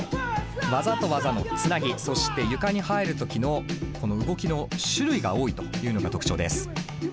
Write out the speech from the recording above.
技と技のつなぎそして床に入る時のこの動きの種類が多いというのが特徴です。